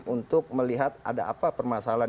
untuk melihat ada apa permasalahan